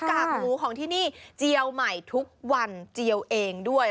กากหมูของที่นี่เจียวใหม่ทุกวันเจียวเองด้วย